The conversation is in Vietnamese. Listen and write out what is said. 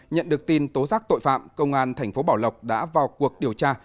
nhận được tin tố giác tội phạm công an tp bảo lộc đã vào cuộc điều tra